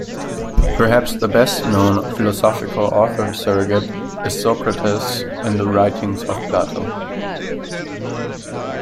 Perhaps the best-known philosophical author-surrogate is Socrates in the writings of Plato.